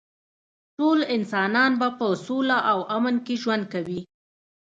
ټول انسانان به په سوله او امن کې ژوند کوي